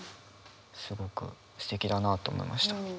すごくすてきだなと思いました。